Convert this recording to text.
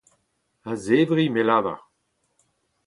A-zevri m'el lavar.